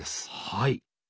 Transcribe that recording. はい。